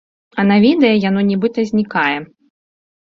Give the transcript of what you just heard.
А на відэа яно нібыта знікае!